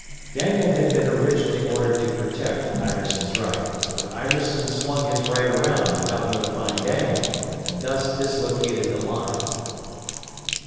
Daniel had been originally ordered to protect Iverson's right, but Iverson swung his right around without notifying Daniel, and thus dislocated the line.